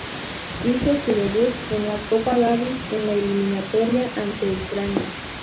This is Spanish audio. Hizo su debut en la Copa Davis en la eliminatoria ante Ucrania.